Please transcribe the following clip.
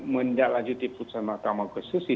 menda lanjuti putusan makam konstitusi